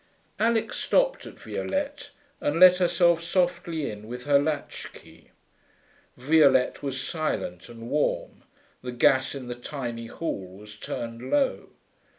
Alix stopped at Violette, and let herself softly in with her latchkey. Violette was silent and warm; the gas in the tiny hall was turned low.